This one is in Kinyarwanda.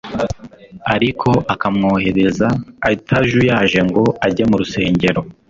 ariko akamwohereza atajuyaje ngo ajye mu rusengero.